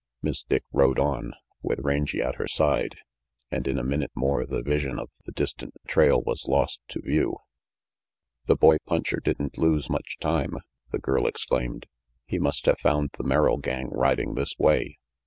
Miss Dick rode on, with Rangy at her side, and RANGY PETE 357 in a minute more the vision of the distant trail was lost to view. "The boy puncher didn't lose much time," the girl exclaimed. "He must have found the Merrill gang riding this way.